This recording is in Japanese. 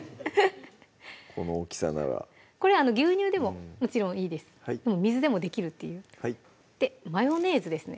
この大きさならこれ牛乳でももちろんいいです水でもできるっていうマヨネーズですね